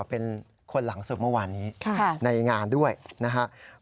เป็นคนหลังสุดเมื่อวานนี้ในงานด้วยนะครับ